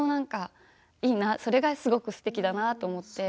それがすごくすてきだなと思って。